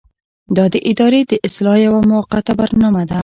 دا د ادارې د اصلاح یوه موقته برنامه ده.